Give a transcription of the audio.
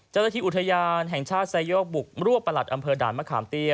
เจ้าหน้าที่อุทยานแห่งชาติไซโยกบุกรวบประหลัดอำเภอด่านมะขามเตี้ย